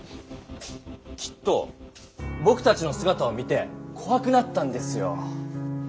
きっとぼくたちのすがたを見てこわくなったんですよ。